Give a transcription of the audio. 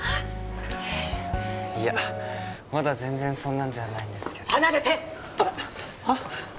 いやまだ全然そんなんじゃないんですけど離れてはっ？